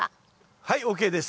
はいＯＫです。